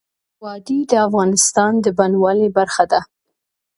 وادي د افغانستان د بڼوالۍ برخه ده.